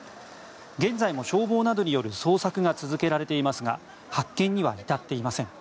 現在も消防などによる捜索が続けられていますが発見には至っていません。